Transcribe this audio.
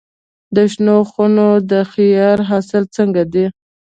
د شنو خونو د خیار حاصل څنګه دی؟